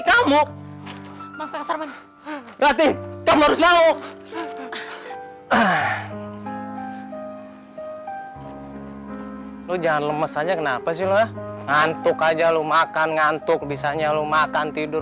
kornos semua gitu